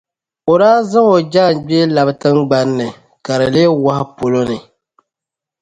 O zaŋ o jaangbee labi tiŋgbani ni, ka di leei wahu polo ni.